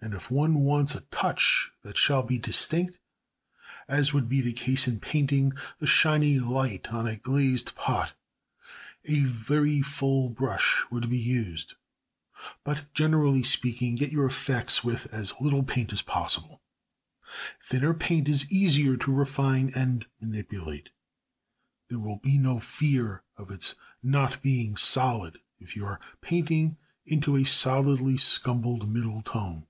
And if one wants a touch that shall be distinct, as would be the case in painting the shiny light on a glazed pot, a very full brush would be used. But generally speaking, get your effects with as little paint as possible. Thinner paint is easier to refine and manipulate. There will be no fear of its not being solid if you are painting into a solidly scumbled middle tone.